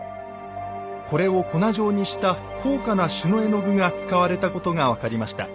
これを粉状にした高価な朱の絵の具が使われたことが分かりました。